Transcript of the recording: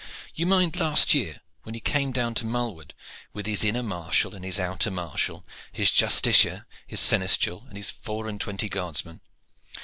You mind last year when he came down to Malwood, with his inner marshal and his outer marshal, his justiciar, his seneschal, and his four and twenty guardsmen.